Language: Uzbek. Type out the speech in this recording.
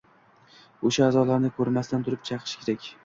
o‘sha – a’zolarni ko‘rmasdan turib chaqish kerak.